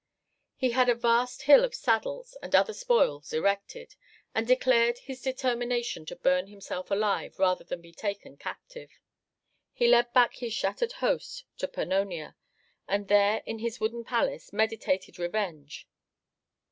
He had a vast hill of saddles and other spoils erected, and declared his determination to burn himself alive rather than be taken captive. He led back his shattered host to Pannonia, and there in his wooden palace meditated revenge.